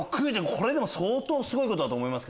これでも相当すごいことだと思います。